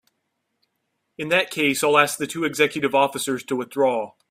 In that case I'll ask the two executive officers to withdraw.